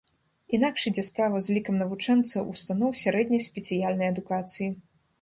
Інакш ідзе справа з лікам навучэнцаў устаноў сярэдняй спецыяльнай адукацыі.